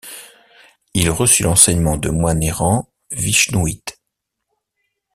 Il reçut l'enseignement de moines errants vishnouites.